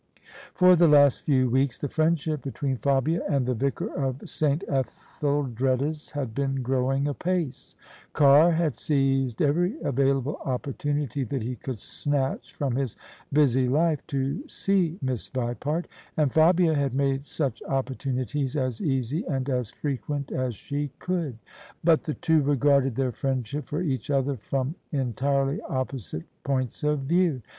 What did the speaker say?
For the last few weeks the friendship between Fabia and the vicar of S. Etheldreda's had been growing apace. Carr had seized every available opportunity that he could snatch from his busy life to see Miss Vipart: and Fabia had made such opportunities as easy and as frequent as she could. But the two regarded their friendship for each other from en tirely opposite points of view.